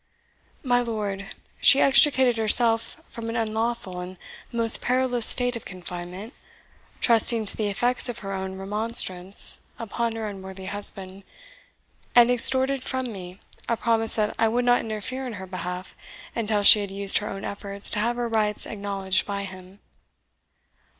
My lord, she extricated herself from an unlawful and most perilous state of confinement, trusting to the effects of her own remonstrance upon her unworthy husband, and extorted from me a promise that I would not interfere in her behalf until she had used her own efforts to have her rights acknowledged by him."